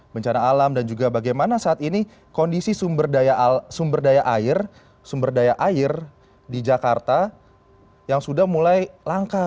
bencana alam dan juga bagaimana saat ini kondisi sumber daya air sumber daya air di jakarta yang sudah mulai langka